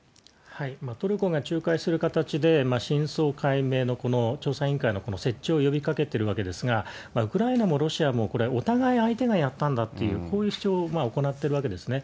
トルコが仲介する形で、真相解明の調査委員会の設置を呼びかけてるわけですが、ウクライナもロシアも、これ、お互い相手がやったんだという、こういう主張を行っているわけですね。